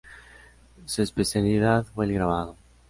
Su especialidad fue el grabado.